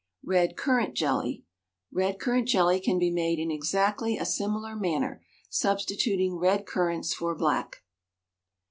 RED CURRANT JELLY. Red currant jelly can be made in exactly a similar manner, substituting red currants for black.